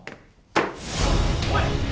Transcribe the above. おい！